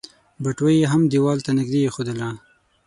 بټوه يې هم ديوال ته نږدې ايښودله.